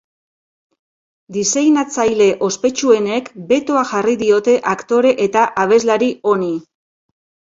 Diseinatzaile ospetsuenek betoa jarri diote aktore eta abeslari honi.